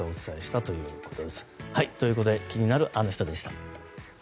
ということで気になるアノ人でした。